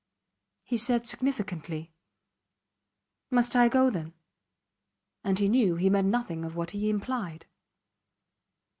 He said significantly: Must I go then? And he knew he meant nothing of what he implied.